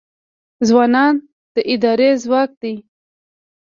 ځوانان د ادارې ځواک دی